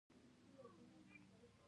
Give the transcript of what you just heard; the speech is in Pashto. ماښام ناوخته د ډاکټر عبدالله موټر راورسېد.